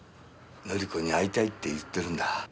紀子に会いたいって言ってるんだ。